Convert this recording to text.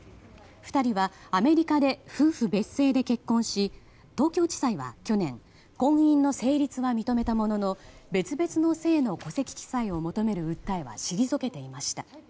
２人はアメリカで夫婦別姓で結婚し東京地裁は去年婚姻の成立は認めたものの別々の姓の戸籍記載を求める訴えは退けていました。